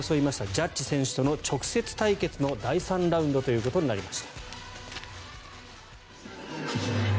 ジャッジ選手との直接対決の第３ラウンドということになりました。